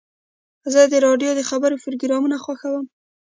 زه د راډیو د خبرو پروګرام خوښوم.